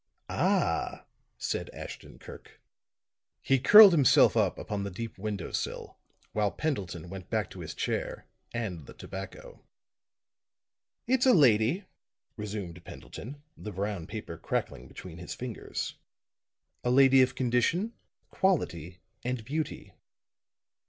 "Ah!" said Ashton Kirk. He curled himself up upon the deep window sill while Pendleton went back to his chair and the tobacco. "It's a lady," resumed Pendleton, the brown paper crackling between his fingers, "a lady of condition, quality and beauty."